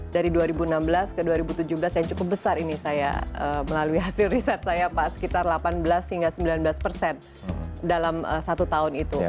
dari dua ribu enam belas ke dua ribu tujuh belas yang cukup besar ini saya melalui hasil riset saya pak sekitar delapan belas hingga sembilan belas persen dalam satu tahun itu